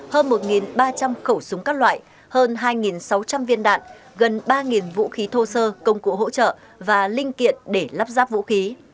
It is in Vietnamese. hơn một ba trăm linh khẩu súng các loại hơn hai sáu trăm linh viên đạn gần ba vũ khí thô sơ công cụ hỗ trợ và linh kiện để lắp ráp vũ khí